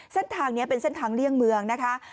แสดงทางนี้เป็นเส้นทางเลี่ยงเมือง